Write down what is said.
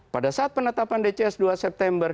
pada saat penetapan dcs dua september